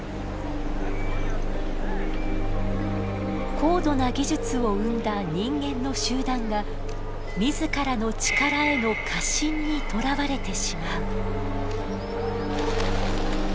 高度な技術を生んだ人間の集団が自らの力への過信にとらわれてしまう。